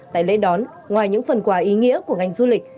tại lễ đón ngoài những phần quà ý nghĩa của ngành du lịch